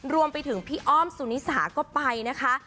รวมไปถึงพี่อ้อมสุนิสาก็ไปนะคะ